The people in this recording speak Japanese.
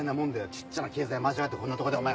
ちっちゃな経済回しやがってこんなとこでお前。